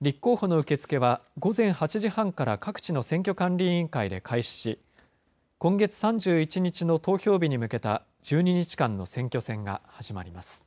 立候補の受け付けは午前８時半から各地の選挙管理委員会で開始し、今月３１日の投票日に向けた１２日間の選挙戦が始まります。